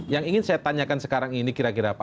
yang ingin saya tanyakan sekarang ini kira kira pak